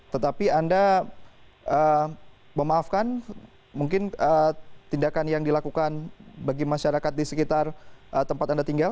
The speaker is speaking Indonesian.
tetapi anda memaafkan mungkin tindakan yang dilakukan bagi masyarakat di sekitar tempat anda tinggal